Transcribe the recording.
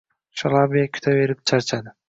Shalabiya kutaverib charchadi